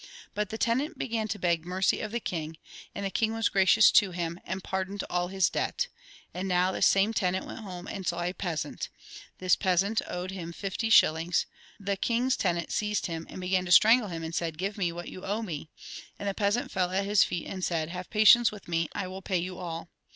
But the tenant began to beg mercy of the king. And the king was gracious to him, and pardoned all his debt. And now, this same tenant went home, and saw a peasant. This peasant owed him fifty shillings. The king's tenant seized him, began to strangle him, and said :' Give me what you owe me.' And the peasant fell at his feet, and said: 'Have patience with me, I will pay you all.'